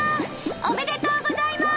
おめでとうございます！」